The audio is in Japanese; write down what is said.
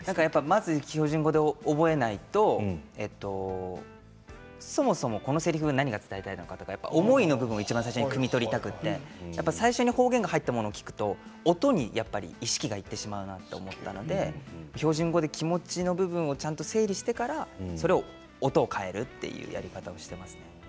まず標準語で覚えないとそもそもこのせりふが何を伝えたいのか思いの部分をくみ取りたくて最初方言の部分を聞くと音の方に意識がいってしまうので標準語で気持ちの部分を整理してから音を変えるというやり方をしています。